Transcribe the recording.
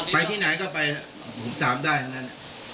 ไปที่ไหนก็ไปผมตามได้ทั้งนั้น